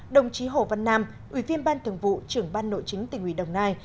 đồng chí hồ văn nam ủy viên ban thường vụ trưởng ban nội chính tình huy đồng nai